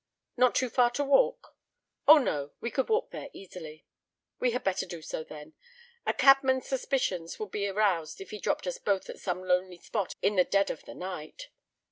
"Not too far to walk?" "Oh, no, we could walk there easily." "We had better do so, then. A cabman's suspicions would be aroused if he dropped us both at some lonely spot in the dead of the night."